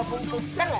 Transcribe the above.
moga gue putar gak